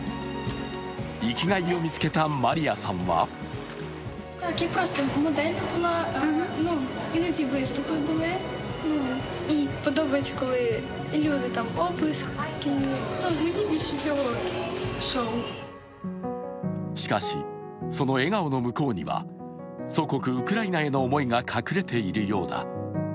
生きがいを見つけたマリヤさんはしかし、その笑顔の向こうには祖国ウクライナへの思いが隠れているようだ。